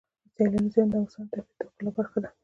سیلانی ځایونه د افغانستان د طبیعت د ښکلا برخه ده.